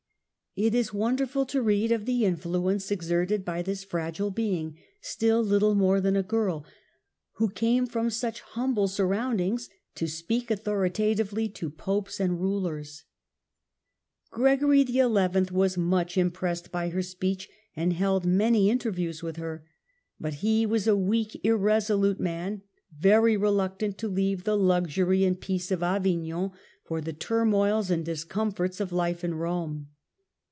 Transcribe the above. It is wonderful to read of the influence exerted by this fragile being, still little more than a girl, whe came from such humble surroundings to speak authoritatively to Popes and Rulers. Gregory XI. was much impressed by her speech, and St. held many interviews with her ; but he was a weak af Avignon irresolute, man, very reluctant to leave the luxury and peace of Avignon for the turmoils and discomforts of life in Rome.